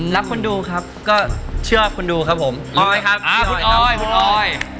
คนดูครับก็เชื่อคนดูครับผมออยครับอ่าคุณออยคุณออย